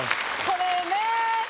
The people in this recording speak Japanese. これね。